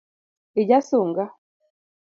Ija sunga.